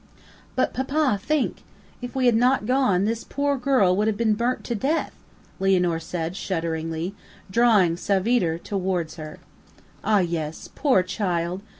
"But, papa, think! If we had not gone, this poor girl would have been burnt to death," Lianor said, shudderingly, drawing Savitre towards her. "Ah, yes. Poor child!"